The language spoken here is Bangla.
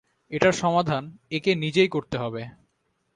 এটার সমাধান একে নিজেই করতে হবে।